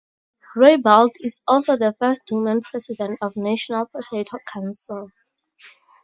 Raybould is also the first woman president of National Potato Council.